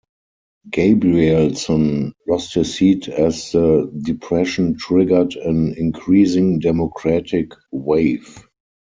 Gabrielson lost his seat as the Depression triggered an increasing Democratic wave.